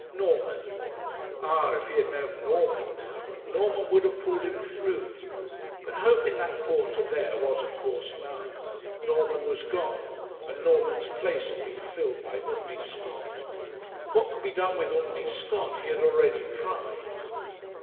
Norman ah, if he had known Norman now, Norman would have pulled him through; but hope in that quarter there was, of course, none. Norman was gone, and Norman's place had been filled by Undy Scott! What could be done with Undy Scott he had already tried.